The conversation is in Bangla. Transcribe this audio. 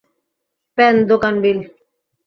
প্যান দোকান বিল?